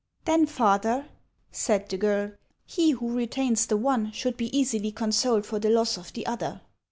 " Then, father," said the girl, " he who retains the one should be easily consoled for the loss of the other."